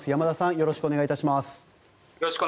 よろしくお願いします。